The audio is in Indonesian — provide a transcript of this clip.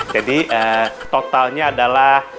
jadi totalnya adalah